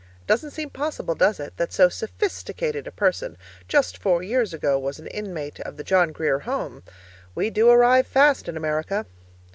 It doesn't seem possible, does it, that so sophisticated a person, just four years ago, was an inmate of the John Grier Home? We do arrive fast in America!